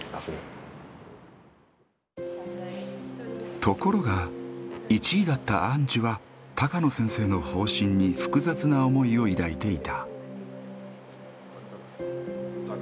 ところが１位だったアンジュは高野先生の方針に複雑な思いを抱いていた。